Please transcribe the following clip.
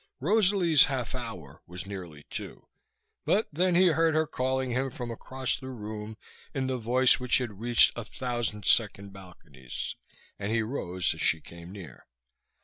Rosalie's "half hour" was nearly two; but then he heard her calling him from across the room, in the voice which had reached a thousand second balconies, and he rose as she came near.